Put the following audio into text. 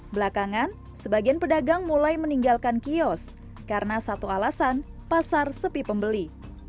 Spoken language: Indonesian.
belakangan sebagian pedagang mulai meninggalkan kios karena satu alasan pasar sepi pembeli